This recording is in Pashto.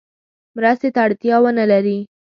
مرستې ته اړتیا ونه لري.